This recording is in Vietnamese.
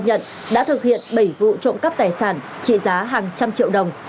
tất cả tài sản trộm cắp tài sản trị giá hàng trăm triệu đồng